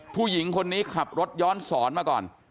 ผู้หญิงคนนี้ขับรถย้อนสอนมาก่อน